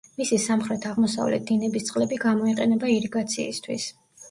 მისი სამხრეთ-აღმოსავლეთ დინების წყლები გამოიყენება ირიგაციისთვის.